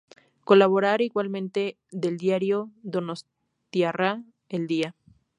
Colaborador igualmente del diario donostiarra "El Día".